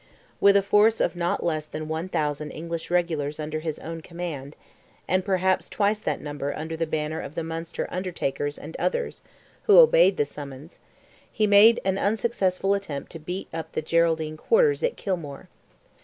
With a force of not less than 1,000 English regulars under his own command, and perhaps twice that number under the banner of the Munster "Undertakers" and others, who obeyed the summons, he made an unsuccessful attempt to beat up the Geraldine quarters at Kilmore.